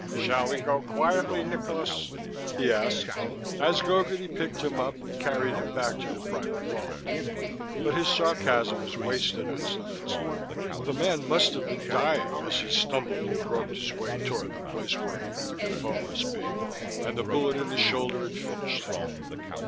"Shall we go quietly, Nikolas?" he asked, as Gogarty picked him up and carried him back to the private vault. But his sarcasm was wasted on Slovetski. The man must have been dying as he stumbled and groped his way toward the place where he knew Defoe must be. And the bullet in the shoulder had finished him.